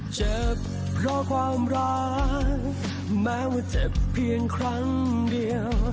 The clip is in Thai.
เจ็บเพราะความรักแม้ว่าเจ็บเพียงครั้งเดียว